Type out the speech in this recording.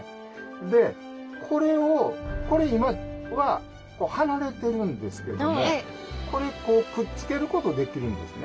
でこれをこれ今は離れてるんですけどもこれこうくっつけることできるんですね。